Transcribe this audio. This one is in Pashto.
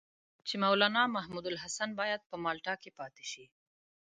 چې مولنا محمودالحسن باید په مالټا کې پاتې شي.